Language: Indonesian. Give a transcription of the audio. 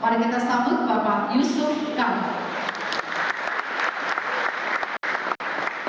mari kita sambut bapak yusuf kalla